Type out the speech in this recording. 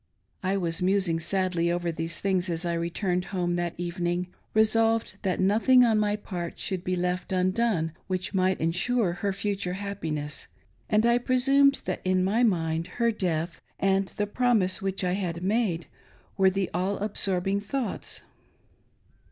I was musing sadly over these things as I returned home that evening, resolved that nothing on my part should be left undone which might ensure her future happiness, and I pre 448 / ALONE AT NIGHT. sume that in toy mind her death, and the promise which I had made, were the all absorbing thoughts.